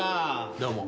どうも。